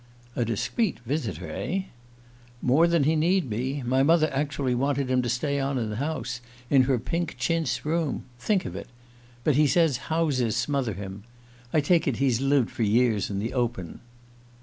"A discreet visitor, eh?" "More than he need be. My mother actually wanted him to stay on in the house in her pink chintz room. Think of it! But he says houses smother him. I take it he's lived for years in the open."